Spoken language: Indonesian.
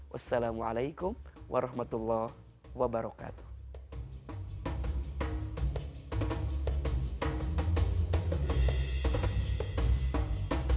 wassalamualaikum warahmatullah wabarakatuh